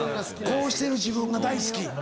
こうしてる自分が大好き。